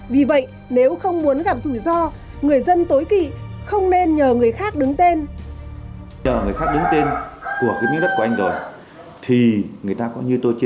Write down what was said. vì vậy nếu không muốn gặp rủi ro